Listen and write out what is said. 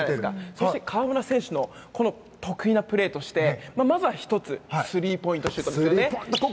そして河村選手の得意なプレーとしてまずは１つスリーポイントシュートです。